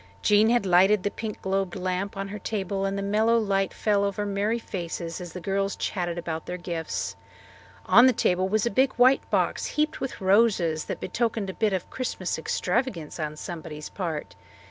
Jean had lighted the pink globed lamp on her table and the mellow light fell over merry faces as the girls chatted about their gifts. On the table was a big white box heaped with roses that betokened a bit of Christmas extravagance on somebody's part.